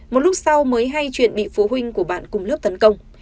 một lúc sau mới hay chuyện bị phụ huynh của bạn cùng lớp tấn công